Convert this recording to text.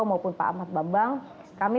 maupun pak ahmad bambang kami